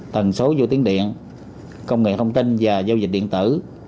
tần số vô tiếng điện công nghệ thông tin và giao dịch điện tử